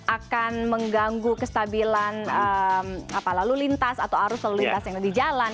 akan mengganggu kestabilan lalu lintas atau arus lalu lintas yang ada di jalan